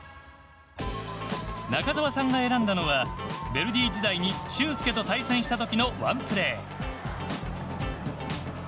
中澤さんが選んだのはヴェルディ時代に俊輔と対戦した時のワンプレー。